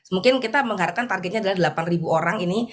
mungkin kita mengharapkan targetnya adalah delapan orang ini